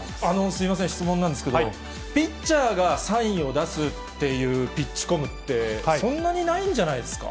すみません、質問なんですけど、ピッチャーがサインを出すっていうピッチコムって、そんなにないんじゃないですか？